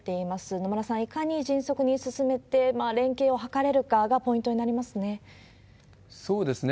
野村さん、いかに迅速に進めて、連携を図れるかがポイントになりますね。